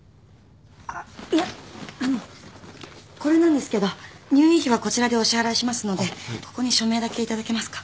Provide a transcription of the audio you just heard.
あっいやあのこれなんですけど入院費はこちらでお支払いしますのでここに署名だけ頂けますか？